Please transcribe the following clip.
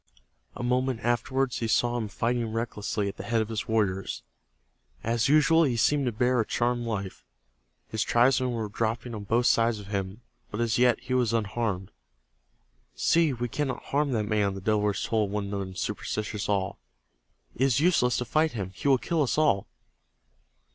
A moment afterward he saw him fighting recklessly at the head of his warriors. As usual be seemed to bear a charmed life. His tribesmen were dropping on both sides of him, but as yet he was unharmed. "See, we cannot harm that man!" the Delawares told one another in superstitious awe. "It is useless to fight him. He will kill us all!"